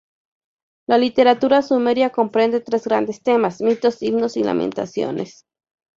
La literatura sumeria comprende tres grandes temas: mitos, himnos y lamentaciones.